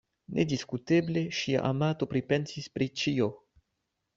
Nediskuteble ŝia amato pripensis pri ĉio.